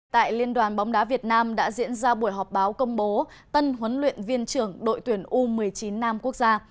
tại liên đoàn bóng đá việt nam đã diễn ra buổi họp báo công bố tân huấn luyện viên trưởng đội tuyển u một mươi chín nam quốc gia